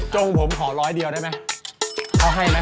จงผมขอ๑๐๐เดียวได้ไหมขอให้ไหม